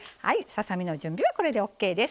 ささ身の準備はこれでＯＫです。